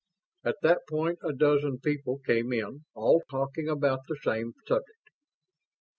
At that point a dozen people came in, all talking about the same subject.